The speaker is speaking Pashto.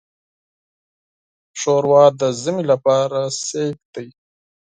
ښوروا د ژمي لپاره انرجۍ ده.